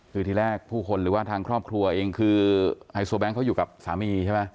คือทีแรกผู้คนหรือว่าทางครอบครัวเองคือไฮโซแบงค์เขาอยู่กับสามีใช่ไหม